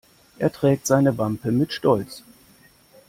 Er trägt seine Wampe mit Stolz.